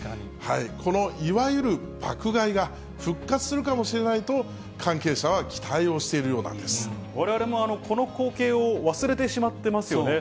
このいわゆる爆買いが、復活するかもしれないと、関係者は期待をわれわれもこの光景を忘れてしまってますよね。